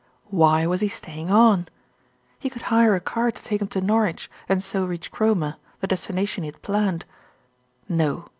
Why was he staying on? He could hire a car to take him to Norwich, and so reach Cromer, the destina tion he had planned. No!